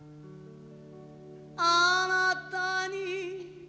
「あなたに」